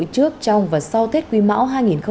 trước trong và sau thết quy mão hai nghìn hai mươi ba